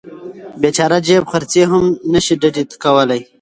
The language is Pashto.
بیچاره جیب خرڅي هم نشي ډډې ته کولی.